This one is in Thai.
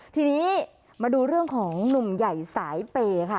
ทีนี้มาดูเรื่องของหนุ่มใหญ่สายเปย์ค่ะ